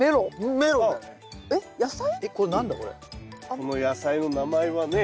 この野菜の名前はね